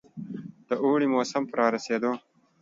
د اوړي موسم په رارسېدو.